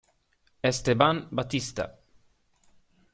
Esteban Batista